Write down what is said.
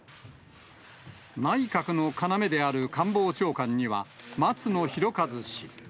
内閣の要である官房長官には、松野博一氏。